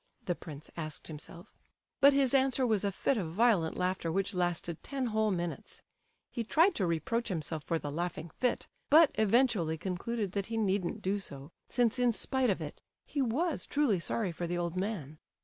the prince asked himself. But his answer was a fit of violent laughter which lasted ten whole minutes. He tried to reproach himself for the laughing fit, but eventually concluded that he needn't do so, since in spite of it he was truly sorry for the old man.